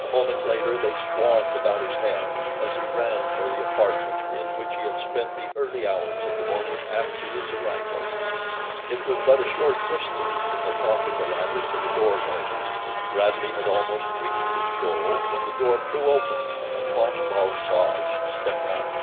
A moment later they swarmed about his head as he ran for the apartment in which he had spent the early hours of the morning after his arrival. It was but a short distance from the top of the ladder to the doorway, and Bradley had almost reached his goal when the door flew open and Fosh bal soj stepped out.